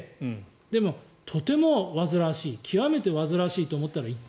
でも、とても煩わしい極めて煩わしいと思ったら１点。